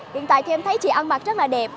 hiện tại thì em thấy chị ăn mặc rất là đẹp